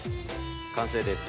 完成です。